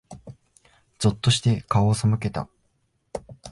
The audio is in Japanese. ぞっとして、顔を背けた。